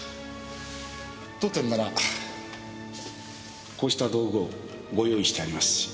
当店ならこうした道具をご用意してありますし。